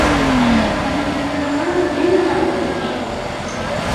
நல்ல பண்புள்ளவன் என் நம்பினேன்.